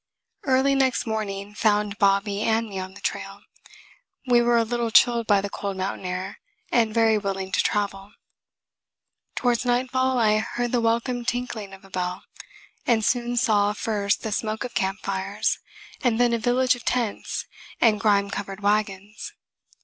Early next morning found Bobby and me on the trail. We were a little chilled by the cold mountain air and very willing to travel. Towards nightfall I heard the welcome tinkling of a bell, and soon saw first the smoke of camp fires, and then a village of tents and grime covered wagons.